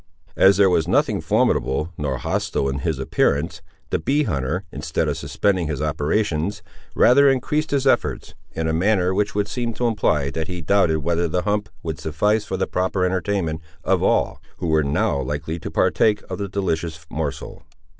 As there was nothing formidable nor hostile in his appearance, the bee hunter, instead of suspending his operations, rather increased his efforts, in a manner which would seem to imply that he doubted whether the hump would suffice for the proper entertainment of all who were now likely to partake of the delicious morsel.